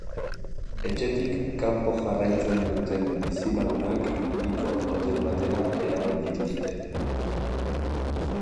Etxetik kanpo jarraitzen duten bizilagunak hiriko hotel batera eraman dituzte.